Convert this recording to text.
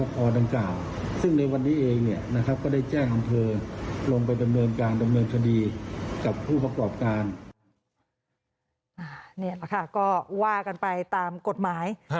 ถูกตรวจสอบกันไปค่ะ